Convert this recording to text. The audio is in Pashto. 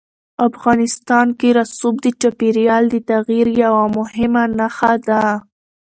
افغانستان کې رسوب د چاپېریال د تغیر یوه مهمه نښه ده.